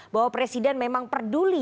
bahwa presiden memang peduli